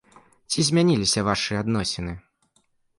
Ці змяніліся вашы адносіны?